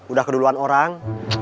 udah keduluan orang